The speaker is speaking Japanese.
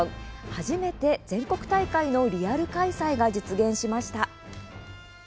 初めて全国大会のリアル開催が実現しました。